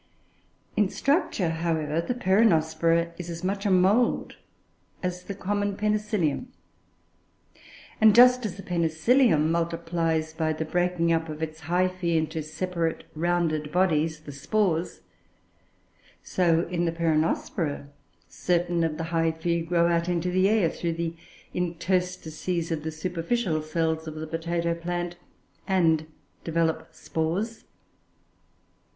In structure, however, the Peronospora is as much a mould as the common Penicillium; and just as the Penicillium multiplies by the breaking up of its hyphoe into separate rounded bodies, the spores; so, in the Peronospora, certain of the hyphoe grow out into the air through the interstices of the superficial cells of the potato plant, and develop spores.